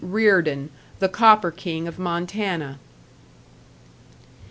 Reardon, the copper king of Montana.